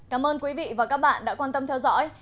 cảm ơn quý vị và các bạn đã quan tâm theo dõi